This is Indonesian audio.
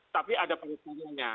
tapi ada penyelesaiannya